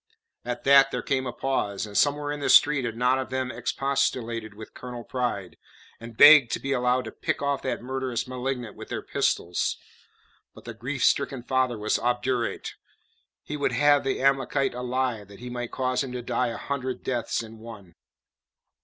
At that there came a pause, and somewhere in the street a knot of them expostulated with Colonel Pride, and begged to be allowed to pick off that murderous malignant with their pistols. But the grief stricken father was obdurate. He would have the Amalekite alive that he might cause him to die a hundred deaths in one.